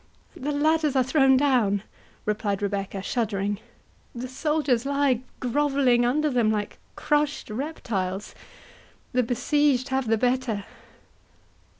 "The ladders are thrown down," replied Rebecca, shuddering; "the soldiers lie grovelling under them like crushed reptiles—The besieged have the better."